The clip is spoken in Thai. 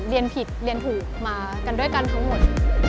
เรียนผิดเรียนถูกมากันด้วยกันทั้งหมด